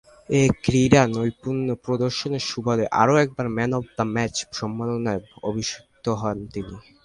এ ক্রীড়ানৈপুণ্য প্রদর্শনের সুবাদে আরও একবার ম্যান অব দ্য ম্যাচের সম্মাননায় অভিষিক্ত হন তিনি।